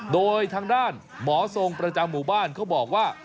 โดยทางด้านหมอทรงประจำหมู่บ้านเขาบอกว่า